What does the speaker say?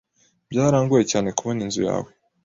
Byarangoye cyane kubona inzu yawe.